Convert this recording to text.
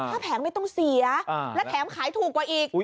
ถ้าแผงไม่ต้องเสียและแถมขายถูกกว่าอีก